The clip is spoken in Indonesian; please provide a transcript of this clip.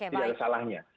tidak ada salahnya